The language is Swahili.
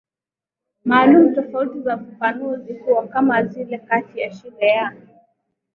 maalumu Tofauti za ufafanuzi huo kama zile kati ya shule ya